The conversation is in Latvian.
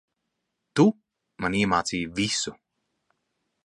Tu, man iemācīji visu.